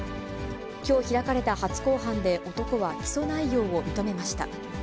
きょう開かれた初公判で男は起訴内容を認めました。